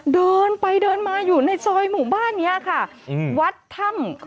เดินไปเดินมาอยู่ในซอยหมู่บ้านนี้ค่ะ